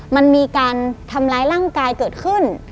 มันมีการทำร้ายร่างกายเกิดขึ้น